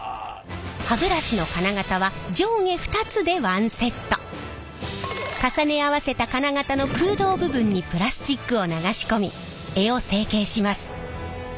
歯ブラシの金型は重ね合わせた金型の空洞部分にプラスチックを流し込み柄を成形します。